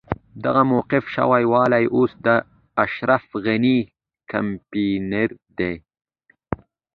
دغه موقوف شوی والي اوس د اشرف غني کمپاينر دی.